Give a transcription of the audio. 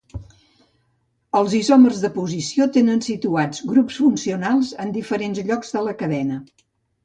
Els isòmers de posició tenen situats grups funcionals en diferents llocs de la cadena.